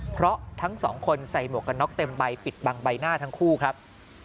เพราะทั้งสองคนใส่หมวกกันน็อกเต็มใบปิดบังใบหน้าทั้งคู่ครับ